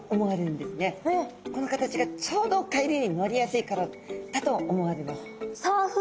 この形がちょうど海流に乗りやすいからだと思われます。